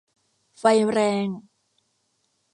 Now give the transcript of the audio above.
ไฟแรง !